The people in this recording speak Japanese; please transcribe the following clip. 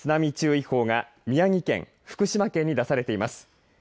津波注意報が宮城県福島県に出されています。